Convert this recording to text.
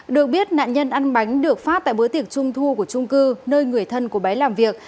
được biết nạn nhân ăn bánh được phát tại bữa tiệc trung thu của trung cư nơi người thân của bé làm việc